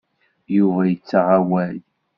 Yuba yettaɣ awal.